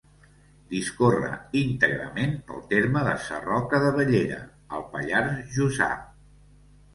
Discorre íntegrament pel terme de Sarroca de Bellera, al Pallars Jussà.